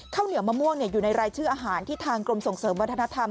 ข้าวเหนียวมะม่วงอยู่ในรายชื่ออาหารที่ทางกรมส่งเสริมวัฒนธรรม